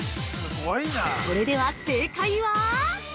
◆それでは、正解は。